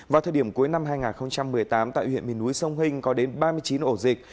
vào thời điểm cuối năm hai nghìn một mươi tám tại huyện miền núi sông hình có đến ba mươi chín ổ dịch